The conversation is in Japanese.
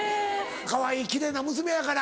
・かわいい奇麗な娘やから。